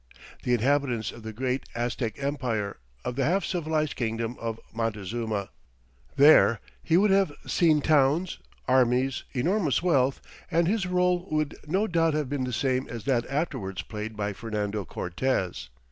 The inhabitants of the great Aztec Empire, of the half civilized kingdom of Montezuma. There he would have seen towns, armies, enormous wealth, and his rôle would no doubt have been the same as that afterwards played by Fernando Cortès.